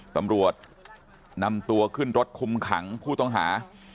ตำรวจนำตัวขึ้นรถคุมขังผู้ต้องหา